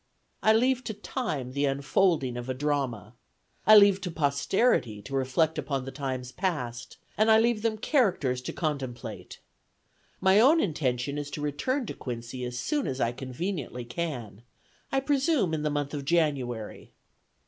I leave to time the unfolding of a drama. I leave to posterity to reflect upon the times past; and I leave them characters to contemplate. My own intention is to return to Quincy as soon as I conveniently can; I presume in the month of January."